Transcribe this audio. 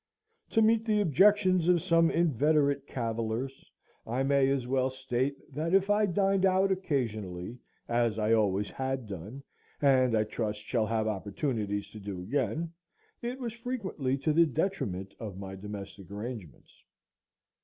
To meet the objections of some inveterate cavillers, I may as well state, that if I dined out occasionally, as I always had done, and I trust shall have opportunities to do again, it was frequently to the detriment of my domestic arrangements.